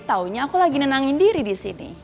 taunya aku lagi nenangin diri disini